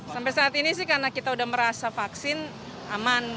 sampai saat ini sih karena kita udah merasa vaksin aman